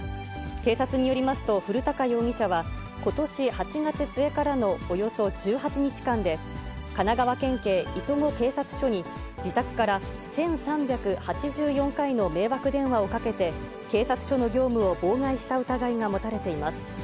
警察によりますと、古高容疑者は、ことし８月末からのおよそ１８日間で、神奈川県警磯子警察署に自宅から１３８４回の迷惑電話をかけて、警察署の業務を妨害した疑いが持たれています。